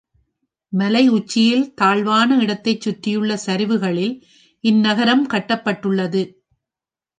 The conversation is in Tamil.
மலை உச்சியில் தாழ்வான இடத்தைச் சுற்றியுள்ள சரிவுகளில் இந்நகரம் கட்டப்பட்டுள்ளது.